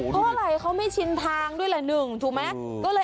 เพราะอะไรเขาไม่ชินทางด้วยแหละหนึ่งถูกไหม